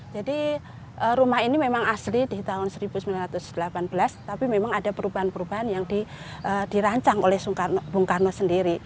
jadi rumah ini memang asli di tahun seribu sembilan ratus delapan belas tapi memang ada perubahan perubahan yang dirancang oleh bung karno sendiri